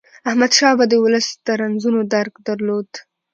احمدشاه بابا د ولس د رنځونو درک درلود.